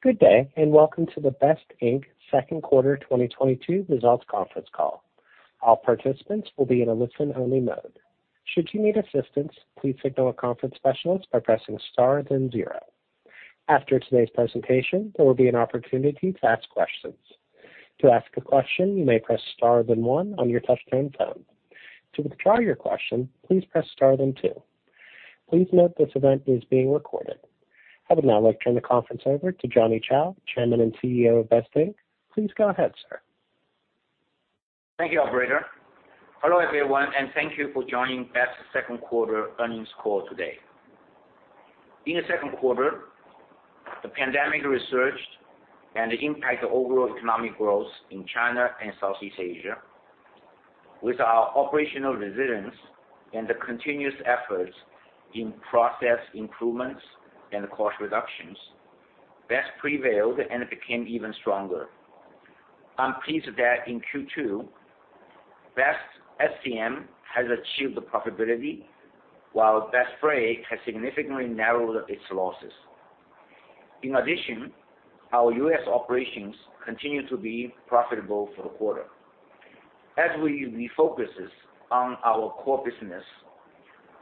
Good day, and welcome to the BEST Inc. second quarter 2022 results conference call. All participants will be in a listen-only mode. Should you need assistance, please signal a conference specialist by pressing star then zero. After today's presentation, there will be an opportunity to ask questions. To ask a question, you may press star then one on your touch-tone phone. To withdraw your question, please press star then two. Please note this event is being recorded. I would now like to turn the conference over to Shao-Ning Johnny Chou, Chairman and CEO of BEST Inc. Please go ahead, sir. Thank you, operator. Hello, everyone, and thank you for joining BEST second quarter earnings call today. In the second quarter, the pandemic resurged and impacted overall economic growth in China and Southeast Asia. With our operational resilience and the continuous efforts in process improvements and cost reductions, BEST prevailed and became even stronger. I'm pleased that in Q2, BEST SCM has achieved profitability while BEST Freight has significantly narrowed its losses. In addition, our U.S. operations continue to be profitable for the quarter. As we refocus on our core business,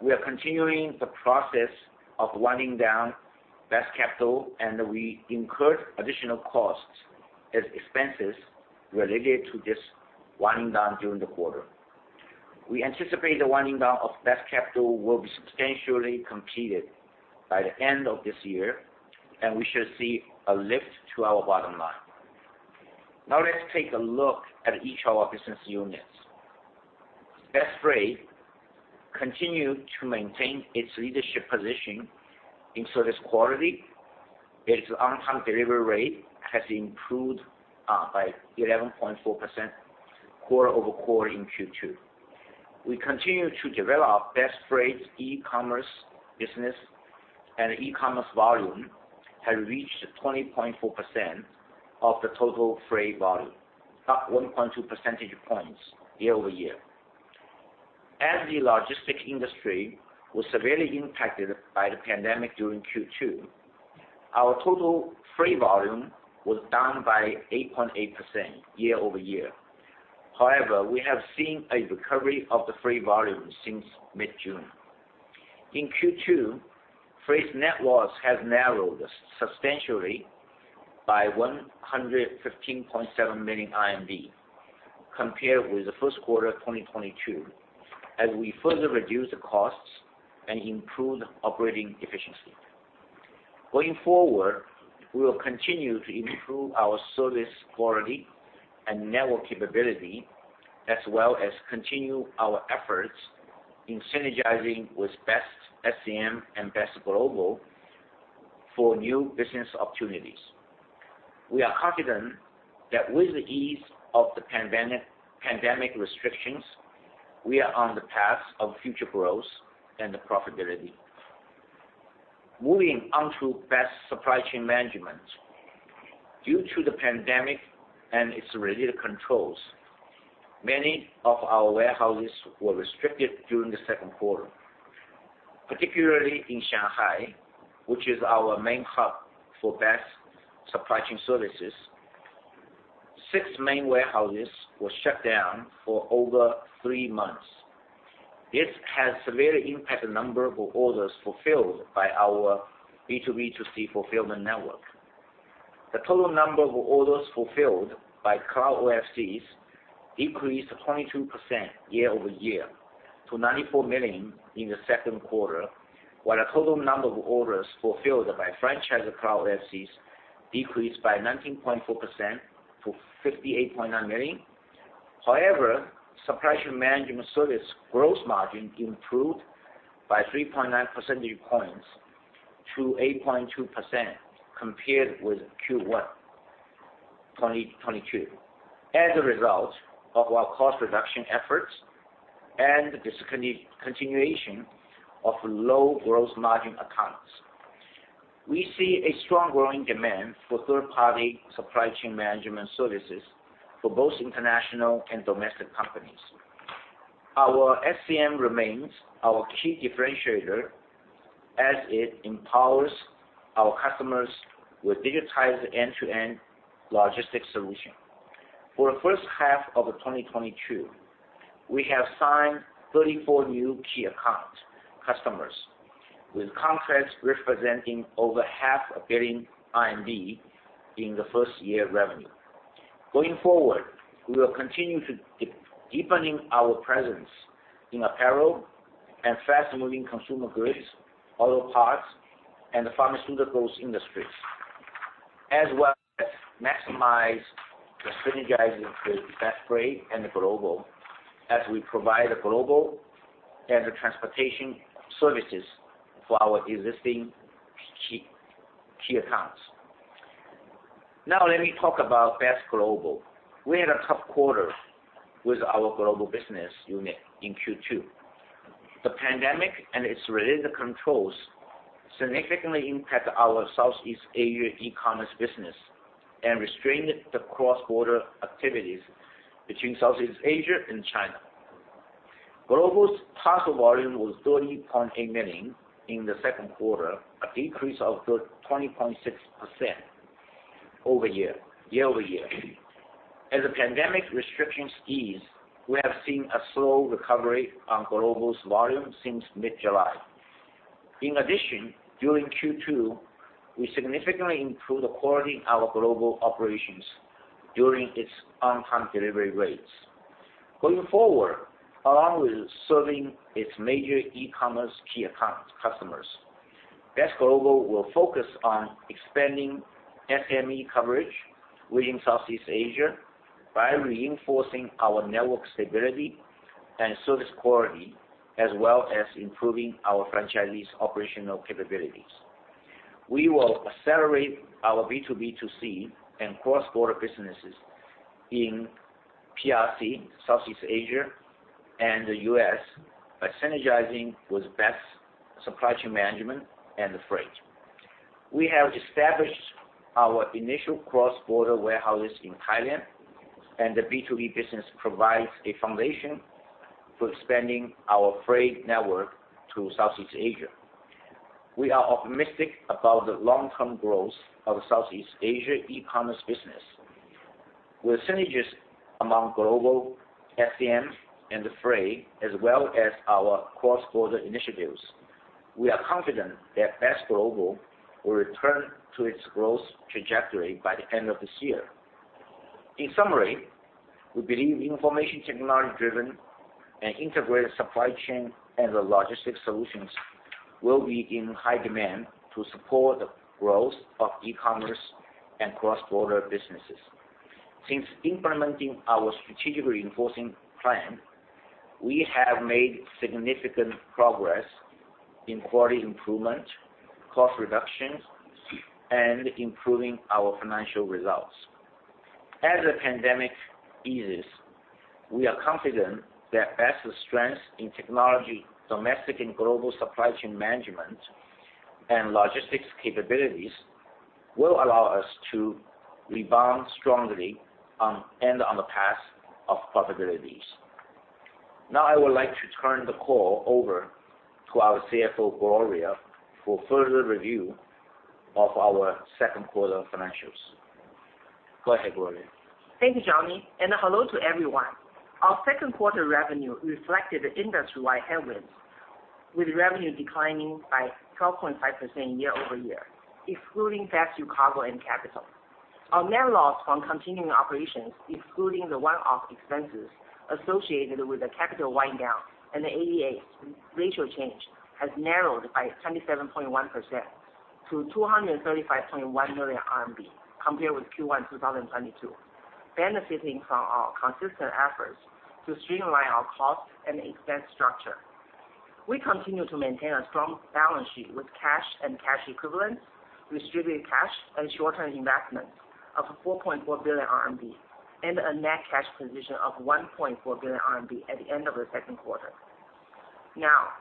we are continuing the process of winding down BEST Capital, and we incurred additional costs and expenses related to this winding down during the quarter. We anticipate the winding down of BEST Capital will be substantially completed by the end of this year, and we should see a lift to our bottom line. Now let's take a look at each of our business units. BEST Freight continued to maintain its leadership position in service quality. Its on-time delivery rate has improved by 11.4% quarter-over-quarter in Q2. We continue to develop BEST Freight e-commerce business and e-commerce volume has reached 20.4% of the total freight volume, up 1.2 percentage points year-over-year. As the logistics industry was severely impacted by the pandemic during Q2, our total freight volume was down by 8.8% year-over-year. However, we have seen a recovery of the freight volume since mid-June. In Q2, BEST Freight's net loss has narrowed substantially by 115.7 million compared with the first quarter of 2022 as we further reduced the costs and improved operating efficiency. Going forward, we will continue to improve our service quality and network capability as well as continue our efforts in synergizing with BEST SCM and BEST Global for new business opportunities. We are confident that with the ease of the pandemic restrictions, we are on the path of future growth and profitability. Moving on to BEST Supply Chain Management. Due to the pandemic and its related controls, many of our warehouses were restricted during the second quarter. Particularly in Shanghai, which is our main hub for BEST Supply Chain services, six main warehouses were shut down for over three months. This has severely impacted the number of orders fulfilled by our B2B2C fulfillment network. The total number of orders fulfilled by cloud OFCs decreased 22% year-over-year to 94 million in the second quarter, while a total number of orders fulfilled by franchised cloud OFCs decreased by 19.4% to 58.9 million. However, supply chain management service gross margin improved by 3.9 percentage points to 8.2% compared with Q1 2022 as a result of our cost reduction efforts and the continuation of low gross margin accounts. We see a strong growing demand for third-party supply chain management services for both international and domestic companies. Our SCM remains our key differentiator as it empowers our customers with digitized end-to-end logistics solution. For the first half of 2022, we have signed 34 new key account customers, with contracts representing over half a billion RMB in the first year revenue. Going forward, we will continue to deepening our presence in apparel and fast-moving consumer goods, auto parts, and the pharmaceuticals industries, as well as maximize the synergies with BEST Freight and BEST Global as we provide global and transportation services for our existing key accounts. Now let me talk about BEST Global. We had a tough quarter with our Global business unit in Q2. The pandemic and its related controls significantly impacted our Southeast Asia e-commerce business and restrained the cross-border activities between Southeast Asia and China. Global's parcel volume was 30.8 million in the second quarter, a decrease of 20.6% year-over-year. As the pandemic restrictions ease, we have seen a slow recovery on Global's volume since mid-July. In addition, during Q2, we significantly improved the quality of our Global operations and its on-time delivery rates. Going forward, along with serving its major e-commerce key account customers, BEST Global will focus on expanding SME coverage within Southeast Asia by reinforcing our network stability and service quality, as well as improving our franchisees' operational capabilities. We will accelerate our B2B2C and cross-border businesses in PRC, Southeast Asia, and the U.S. by synergizing with BEST Supply Chain Management and BEST Freight. We have established our initial cross-border warehouses in Thailand, and the B2B business provides a foundation for expanding our freight network to Southeast Asia. We are optimistic about the long-term growth of Southeast Asia e-commerce business. With synergies among BEST Global, BEST SCM, and BEST Freight, as well as our cross-border initiatives, we are confident that BEST Global will return to its growth trajectory by the end of this year. In summary, we believe information technology-driven and integrated supply chain and the logistics solutions will be in high demand to support the growth of e-commerce and cross-border businesses. Since implementing our strategic reinforcing plan, we have made significant progress in quality improvement, cost reductions, and improving our financial results. As the pandemic eases, we are confident that BEST's strength in technology, domestic and global supply chain management, and logistics capabilities will allow us to rebound strongly on the path of profitability. Now, I would like to turn the call over to our CFO, Gloria, for further review of our second quarter financials. Go ahead, Gloria. Thank you, Johnny, and hello to everyone. Our second quarter revenue reflected the industry-wide headwinds, with revenue declining by 12.5% year-over-year, excluding BEST New Cargo and BEST Capital. Our net loss from continuing operations, excluding the one-off expenses associated with the BEST Capital wind down and the ADS ratio change, has narrowed by 27.1% to 235.1 million RMB compared with Q1 2022, benefiting from our consistent efforts to streamline our cost and expense structure. We continue to maintain a strong balance sheet with cash and cash equivalents, restricted cash and short-term investments of 4.4 billion RMB and a net cash position of 1.4 billion RMB at the end of the second quarter. Now,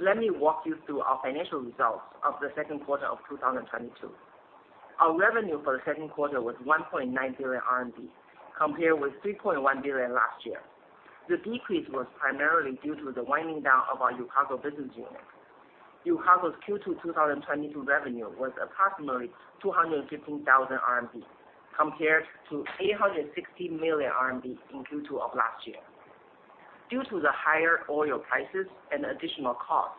let me walk you through our financial results of the second quarter of 2022. Our revenue for the second quarter was 1.9 billion RMB compared with 3.1 billion last year. The decrease was primarily due to the winding down of our BEST New Cargo business unit. BEST New Cargo's Q2 2022 revenue was approximately 215 thousand RMB compared to 860 million RMB in Q2 of last year. Due to the higher oil prices and additional costs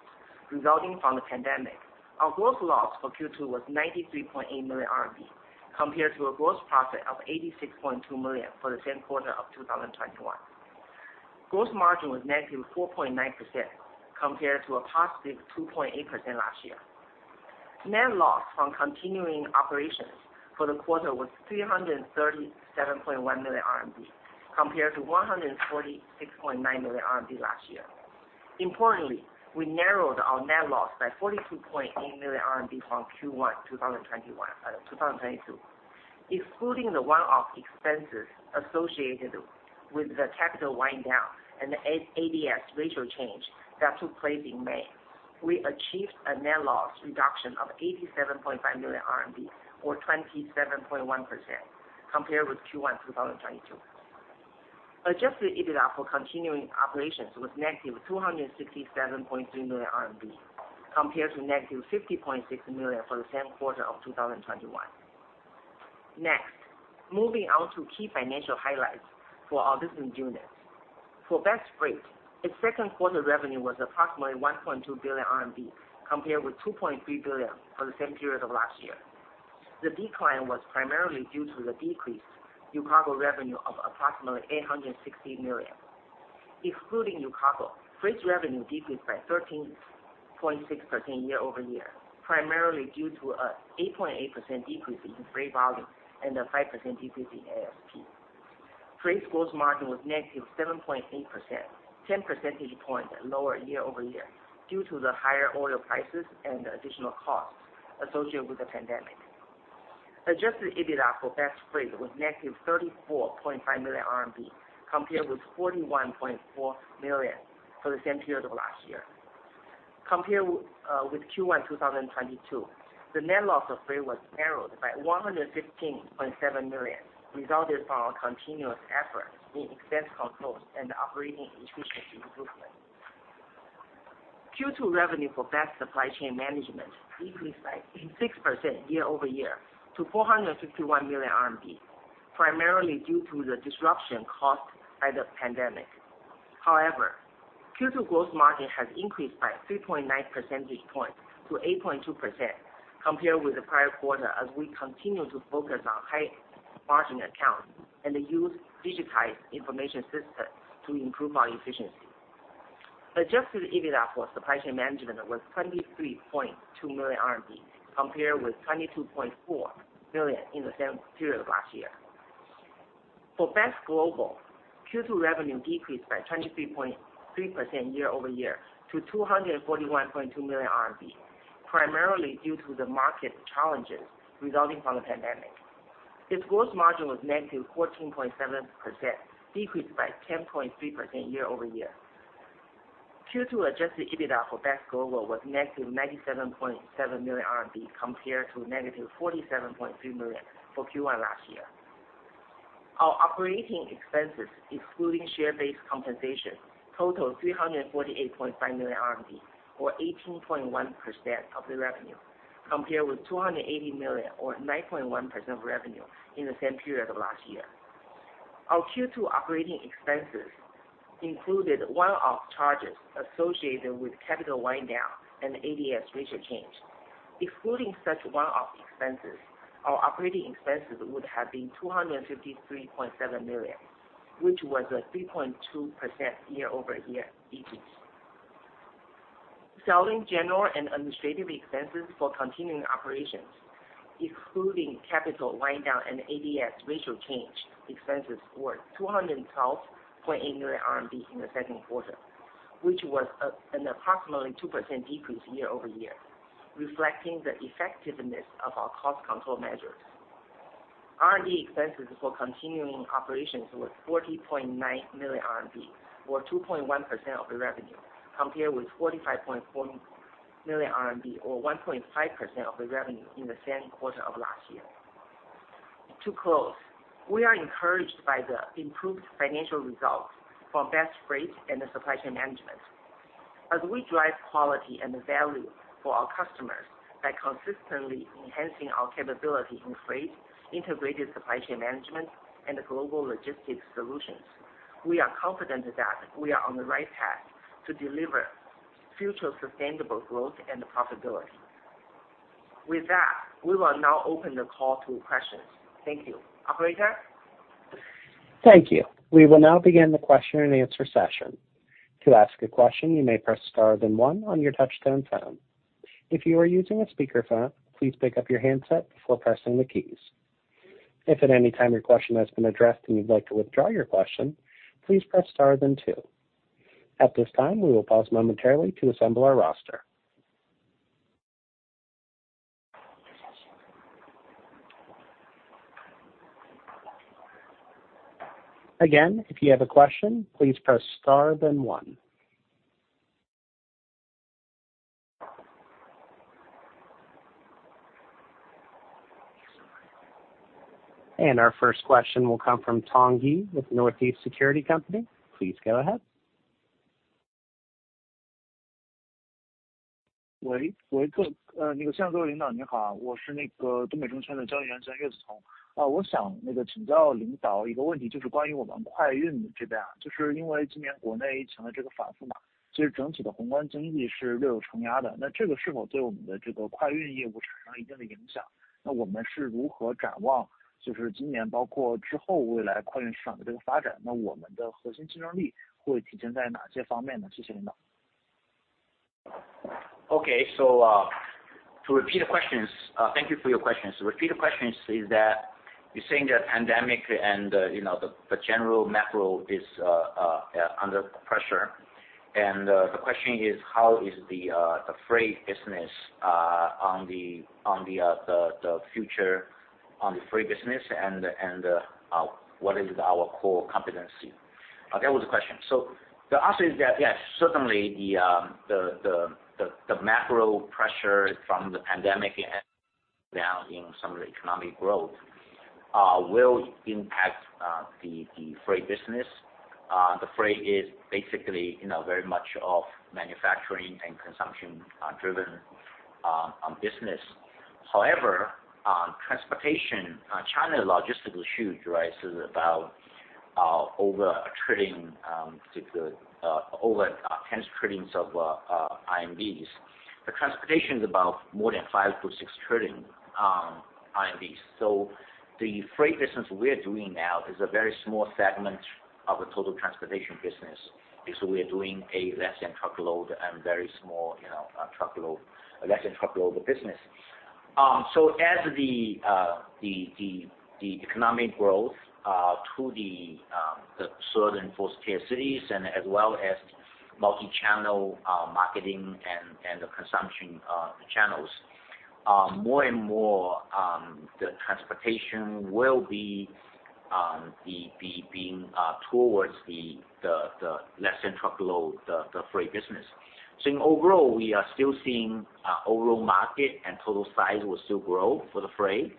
resulting from the pandemic, our gross loss for Q2 was 93.8 million RMB compared to a gross profit of 86.2 million for the same quarter of 2021. Gross margin was -4.9% compared to +2.8% last year. Net loss from continuing operations for the quarter was 337.1 million RMB compared to 146.9 million RMB last year. Importantly, we narrowed our net loss by 42.8 million RMB from Q1 2022. Excluding the one-off expenses associated with the BEST Capital wind down and the ADS ratio change that took place in May, we achieved a net loss reduction of 87.5 million RMB or 27.1% compared with Q1 2022. Adjusted EBITDA for continuing operations was -267.3 million RMB compared to -50.6 million for the same quarter of 2021. Next, moving on to key financial highlights for our business units. For BEST Freight, its second quarter revenue was approximately 1.2 billion RMB compared with 2.3 billion for the same period of last year. The decline was primarily due to the decreased BEST New Cargo revenue of approximately 860 million. Excluding BEST New Cargo, Freight's revenue decreased by 13.6% year-over-year, primarily due to an 8.8% decrease in freight volume and a 5% decrease in ASP. Freight's gross margin was -7.8%, 10 percentage points lower year-over-year due to the higher oil prices and the additional costs associated with the pandemic. Adjusted EBITDA for BEST Freight was -34.5 million RMB compared with 41.4 million for the same period of last year. Compared with Q1 2022, the net loss of freight was narrowed by 115.7 million, resulted from our continuous efforts in expense controls and operating efficiency improvement. Q2 revenue for BEST Supply Chain Management decreased by 6% year-over-year to 451 million RMB, primarily due to the disruption caused by the pandemic. However, Q2 gross margin has increased by 3.9 percentage points to 8.2% compared with the prior quarter as we continue to focus on high margin accounts and use digitized information systems to improve our efficiency. Adjusted EBITDA for supply chain management was 23.2 million RMB compared with 22.4 million in the same period of last year. For BEST Global, Q2 revenue decreased by 23.3% year-over-year to 241.2 million RMB, primarily due to the market challenges resulting from the pandemic. Its gross margin was -14.7%, decreased by 10.3% year-over-year. Q2 adjusted EBITDA for BEST Global was -97.7 million RMB compared to -47.3 million for Q1 last year. Our operating expenses, excluding share-based compensation, totaled 348.5 million RMB, or 18.1% of the revenue, compared with 280 million or 9.1% of revenue in the same period of last year. Our Q2 operating expenses included one-off charges associated with BEST Capital wind down and ADS ratio change. Excluding such one-off expenses, our operating expenses would have been 253.7 million, which was a 3.2% year-over-year decrease. Selling, general, and administrative expenses for continuing operations, excluding BEST Capital wind down and ADS ratio change expenses were 212.8 million RMB in the second quarter, which was an approximately 2% decrease year-over-year, reflecting the effectiveness of our cost control measures. R&D expenses for continuing operations were 40.9 million RMB, or 2.1% of the revenue, compared with 45.4 million RMB or 1.5% of the revenue in the same quarter of last year. To close, we are encouraged by the improved financial results for BEST Freight and the Supply Chain Management. As we drive quality and value for our customers by consistently enhancing our capability in freight, integrated supply chain management, and global logistics solutions, we are confident that we are on the right path to deliver future sustainable growth and profitability. With that, we will now open the call to questions. Thank you. Operator? Thank you. We will now begin the Q&A session. To ask a question, you may press star then one on your touch-tone phone. If you are using a speakerphone, please pick up your handset before pressing the keys. If at any time your question has been addressed and you'd like to withdraw your question, please press star then two. At this time, we will pause momentarily to assemble our roster. Again, if you have a question, please press star then one. Our first question will come from Tongyi with Northeast Securities. Please go ahead. Okay. To repeat the questions, thank you for your question. To repeat the questions is that you're saying that pandemic and you know the general macro is under pressure. The question is, how is the freight business on the future on the freight business and what is our core competency? That was the question. The answer is that, yes, certainly the macro pressure from the pandemic and now in some of the economic growth will impact the freight business. The freight is basically you know very much of manufacturing and consumption driven business. However, transportation China logistics is huge, right? This is about over tens of trillions of RMB. The transportation is about more than 5 trillion-6 trillion. The freight business we're doing now is a very small segment of the total transportation business because we're doing a less than truckload and very small, you know, truckload less than truckload business. As the economic growth to the third and fourth tier cities and as well as multi-channel marketing and the consumption channels, more and more the transportation will be being towards the less than truckload freight business. Overall, we are still seeing overall market and total size will still grow for the freight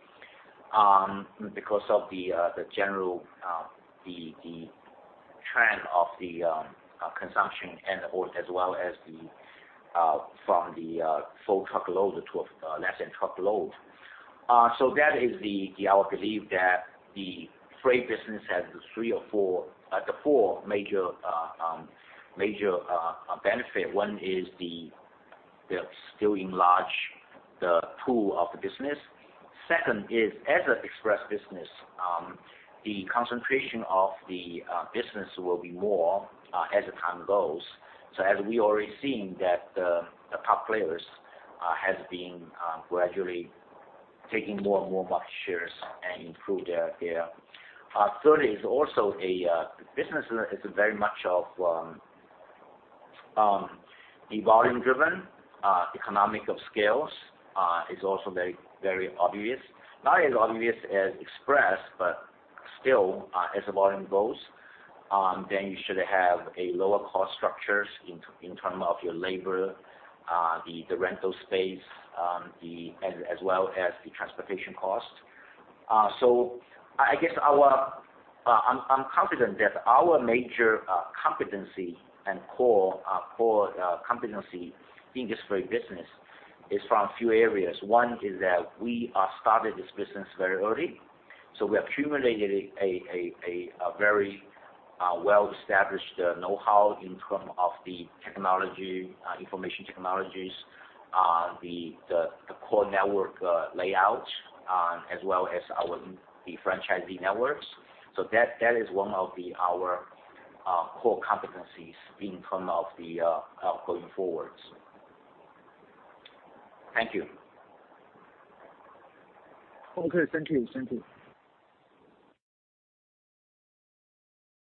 because of the general trend of consumption and as well as from the full truckload to less than truckload. I believe that the freight business has the four major benefit. One is they're still enlarge the pool of the business. Second is as an express business the concentration of the business will be more as the time goes. We already seen that the top players has been gradually taking more and more market shares and improve their. Third is also a business is very much of a volume-driven economies of scale is also very, very obvious. Not as obvious as Express, but still, as the volume goes, then you should have a lower cost structures in terms of your labor, the rental space, as well as the transportation cost. I guess I'm confident that our major competency and core competency in this freight business is from a few areas. One is that we started this business very early, so we accumulated a very well-established know-how in terms of the technology, information technologies, the core network layout, as well as our franchisee networks. That is one of our core competencies in terms of going forward. Thank you. Okay. Thank you. Thank you.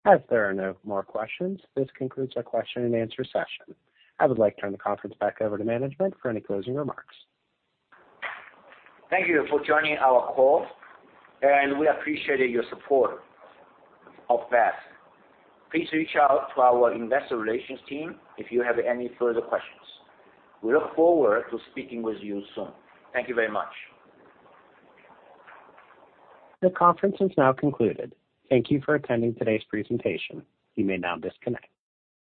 As there are no more questions, this concludes our Q&A session. I would like to turn the conference back over to management for any closing remarks. Thank you for joining our call, and we appreciate your support of BEST. Please reach out to our investor relations team if you have any further questions. We look forward to speaking with you soon. Thank you very much. The conference is now concluded. Thank you for attending today's presentation. You may now disconnect.